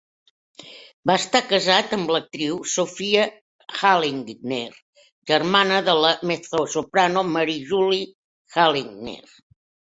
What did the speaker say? Va estar casat amb l'actriu Sophia Halligner, germana de la mezzosoprano Marie-Julie Halligner.